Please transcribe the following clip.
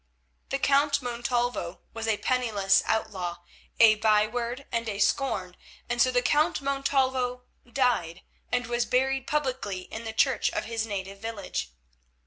The Count Montalvo was a penniless outlaw, a byword and a scorn, and so the Count Montalvo—died, and was buried publicly in the church of his native village.